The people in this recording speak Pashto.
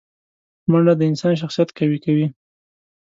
منډه د انسان شخصیت قوي کوي